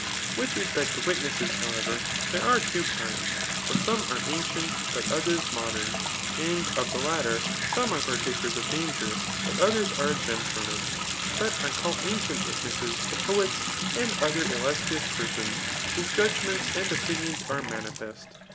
With respect to witnesses, however, there are two kinds ; for some are ancient i but others modem. And of the latter, some are partakers of danger, but others are exempt from it. But I call ancient witnesses the poets, and other illustrious persons whose judgments [and opinions] are manifest.